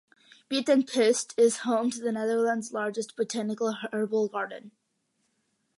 Buitenpost is home to the Netherlands' largest botanical herbal garden.